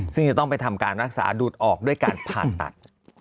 ซึ่งจะต้องไปทำการรักษาดูดออกด้วยการผ่าตัด